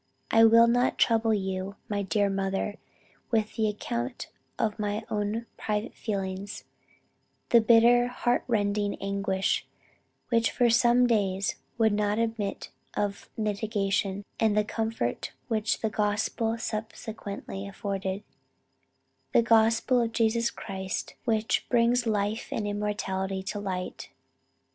I will not trouble you, my dear mother, with an account of my own private feelings the bitter, heart rending anguish, which for some days would not admit of mitigation, and the comfort which the Gospel subsequently afforded, the Gospel of Jesus Christ which brings life and immortality to light."